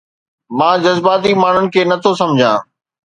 مان جذباتي ماڻهن کي نٿو سمجهان